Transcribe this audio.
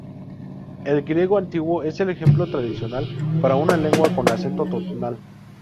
El griego antiguo es el ejemplo tradicional para una lengua con acento tonal.